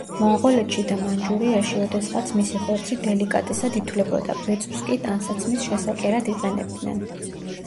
მონღოლეთში და მანჯურიაში ოდესღაც მისი ხორცი დელიკატესად ითვლებოდა, ბეწვს კი ტანსაცმლის შესაკერად იყენებდნენ.